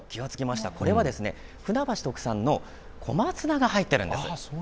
これは船橋特産の小松菜が入っているんです。